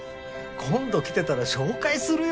今度来てたら紹介するよ。